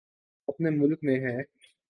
اپنے ملک میں ہے۔